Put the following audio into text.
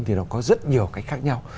thì nó có rất nhiều cách khác nhau